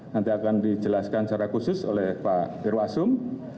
nanti akan dijelaskan secara khusus oleh pak irwasum